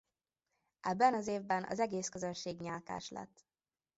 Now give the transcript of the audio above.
Ebben az évben az egész közönség nyálkás lett.